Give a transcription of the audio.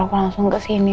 aku langsung kesini